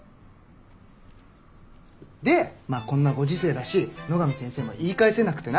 でまっこんなご時世だし野上先生も言い返せなくてな。